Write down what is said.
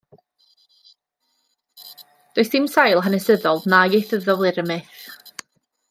Does dim sail hanesyddol na ieithyddol i'r myth.